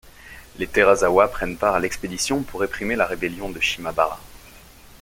Les Terazawa prennent part à l'expédition pour réprimer la rébellion de Shimabara.